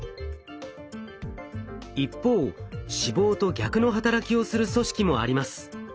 一方脂肪と逆の働きをする組織もあります。